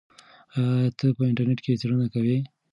آیا ته په انټرنیټ کې څېړنه کوې؟